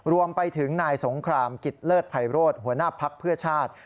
รวมไปถึงนายสงครามกิจเลิศภัยโรธหัวหน้าภักดิ์เพื่อชาติ